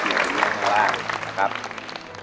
โชคดีค่ะพี่